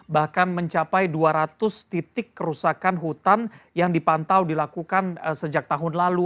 bahkan mencapai dua ratus titik kerusakan hutan yang dipantau dilakukan sejak tahun lalu